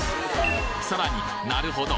さらになるほど！